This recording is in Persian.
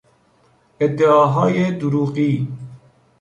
ادعاهای دروغی